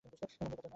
মঙ্গলবার তো না?